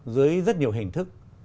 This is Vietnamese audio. dưới rất nhiều hình thức